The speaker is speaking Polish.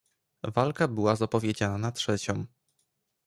"Walka była zapowiedziana na trzecią."